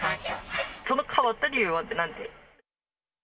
その変わった理由はなんで？